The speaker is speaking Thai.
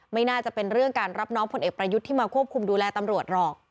ไม่น่าจะเป็นเรื่องการรับน้องพลเอกประยุทธ์ที่มาควบคุมดูแลตำรวจหรอก